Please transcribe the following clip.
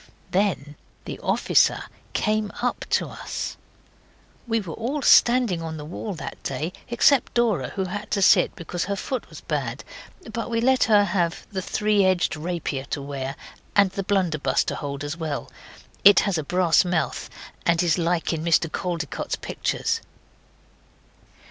Then the officer came up to us. We were all standing on the wall that day, except Dora, who had to sit, because her foot was bad, but we let her have the three edged rapier to wear, and the blunderbuss to hold as well it has a brass mouth and is like in Mr Caldecott's pictures.